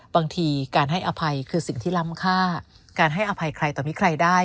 บางทีการให้อภัยคือสิ่งที่ล้ำค่าการให้อภัยใครต่อมีใครได้